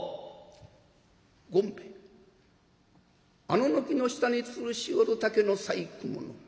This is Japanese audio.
あの軒の下につるしおる竹の細工物。